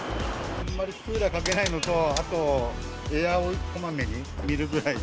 あんまりクーラーかけないのと、あとエアをこまめに見るぐらい。